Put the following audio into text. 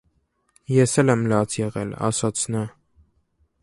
- Ես էլ եմ լաց եղել,- ասաց նա: